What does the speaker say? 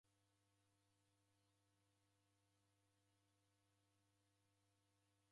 W'andu w'azima w'aja Krismasi kwa chia zima.